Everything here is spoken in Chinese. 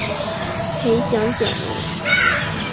裴行俭人。